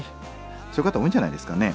そういう方多いんじゃないですかね。